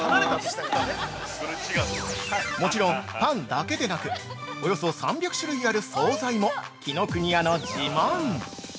◆もちろん、パンだけでなくおよそ３００種類ある総菜も紀ノ国屋の自慢。